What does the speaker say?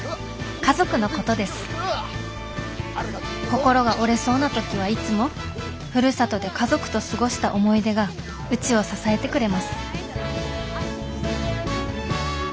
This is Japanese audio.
心が折れそうな時はいつもふるさとで家族と過ごした思い出がうちを支えてくれます